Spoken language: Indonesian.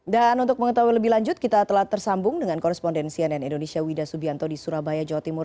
dan untuk mengetahui lebih lanjut kita telah tersambung dengan korespondensi ann indonesia wida subianto di surabaya jawa timur